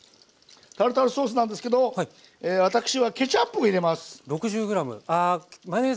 タルタルソースなんですけど私はケチャップを入れます。